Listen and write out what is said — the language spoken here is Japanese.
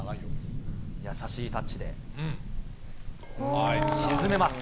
優しいタッチで、沈めます。